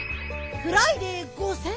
フライデー５０００！